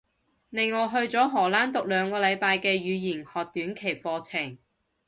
另外去咗荷蘭讀兩個禮拜嘅語言學短期課程